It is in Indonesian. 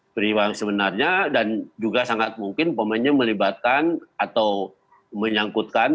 peristiwa sebenarnya dan juga sangat mungkin pemainnya melibatkan atau menyangkutkan